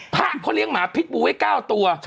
พระเขาเลี้ยงหมาพิษบูไว้๙ตัว